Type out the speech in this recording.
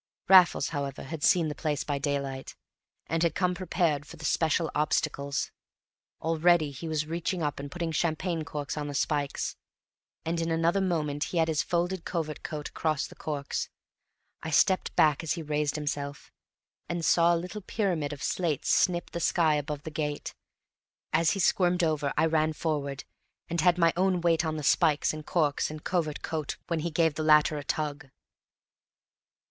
Raffles, however, had seen the place by daylight, and had come prepared for the special obstacles; already he was reaching up and putting champagne corks on the spikes, and in another moment he had his folded covert coat across the corks. I stepped back as he raised himself, and saw a little pyramid of slates snip the sky above the gate; as he squirmed over I ran forward, and had my own weight on the spikes and corks and covert coat when he gave the latter a tug.